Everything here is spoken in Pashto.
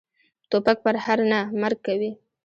توپک پرهر نه، مرګ کوي.